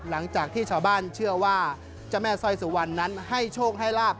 หลังจากที่ชาวบ้านเชื่อว่าเจ้าแม่สร้อยสุวรรณนั้นให้โชคให้ลาบ